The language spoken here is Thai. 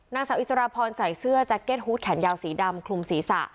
นางสาวอิสระพรฟอยใส่เสื้อแขนยาวสีดำคลุมศีรษะ